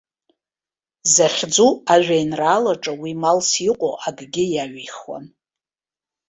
Захьӡу ажәеинраалаҿы уи малс иҟоу акгьы иаҩихуам.